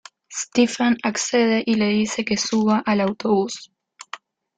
Stephen accede y le dice que suba al autobús.